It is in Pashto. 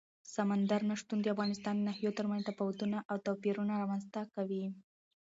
سمندر نه شتون د افغانستان د ناحیو ترمنځ تفاوتونه او توپیرونه رامنځ ته کوي.